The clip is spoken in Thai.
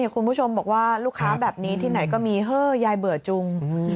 คุณผู้ชมบอกว่าลูกค้าแบบนี้ที่ไหนก็มีเฮ้อยายเบื่อจุง